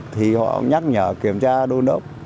thì họ nhắc nhở kiểm tra đô nốc